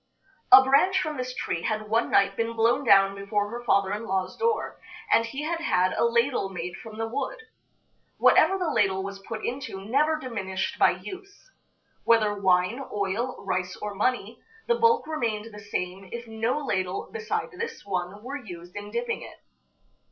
A branch from this tree had one night been blown down before her father in law's door, and he had had a ladle made from the wood. Whatever the ladle was put into never diminished by use. Whether wine, oil, rice, or money, the bulk remained the same if no ladle beside this one were used in dipping it.